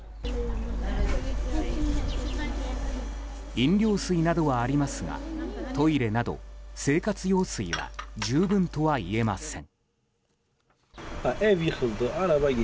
飲料水などはありますがトイレなど生活用水は十分とはいえません。